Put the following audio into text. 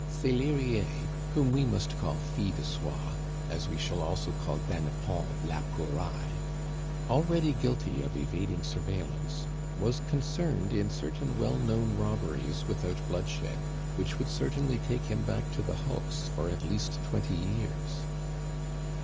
Selerier, whom we must call Fil de Soie, as we shall also call Dannepont la Pouraille, already guilty of evading surveillance, was concerned in certain well known robberies without bloodshed, which would certainly take him back to the hulks for at least twenty years.